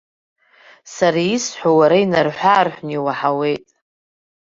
Сара исҳәо уара инарҳәы-аарҳәны иуаҳауеит.